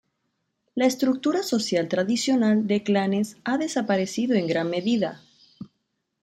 La estructura social tradicional de clanes ha desaparecido en gran medida.